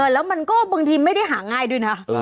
แล้วมันก็บางทีไม่ได้หาง่ายด้วยนะ